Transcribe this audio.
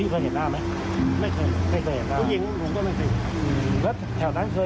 เขาจะด่าผู้ชายผู้ชายก็จะเดินนำหน้ามา